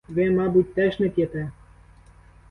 Ви, мабуть, теж не п'єте?